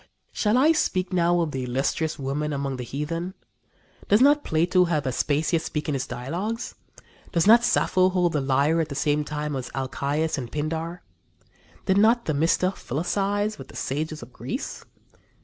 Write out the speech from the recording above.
Shall I speak now of the illustrious women among the heathen? Does not Plato have Aspasia speak in his dialogues? Does not Sappho hold the lyre at the same time as Alcæus and Pindar? Did not Themista philosophize with the sages of Greece?